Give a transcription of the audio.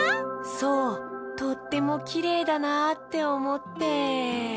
そうとってもきれいだなっておもって。